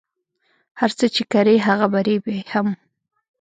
هر څه چی کری هغه به ریبی هم